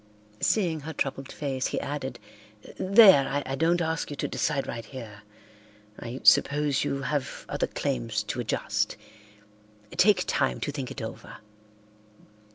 Seeing her troubled face, he added, "There, I don't ask you to decide right here. I suppose you have other claims to adjust. Take time to think it over."